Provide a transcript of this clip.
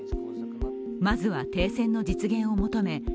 まずは停戦の実現を求め